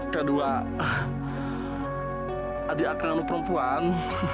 kedua adik saya perempuan